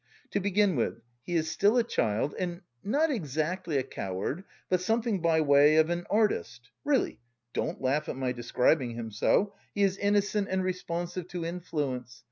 To begin with, he is still a child and not exactly a coward, but something by way of an artist. Really, don't laugh at my describing him so. He is innocent and responsive to influence.